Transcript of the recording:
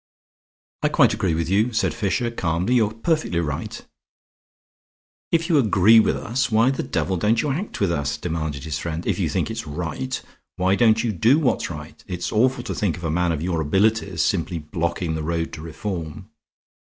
"I quite agree with you," said Fisher, calmly. "You are perfectly right." "If you agree with us, why the devil don't you act with us?" demanded his friend. "If you think it's right, why don't you do what's right? It's awful to think of a man of your abilities simply blocking the road to reform."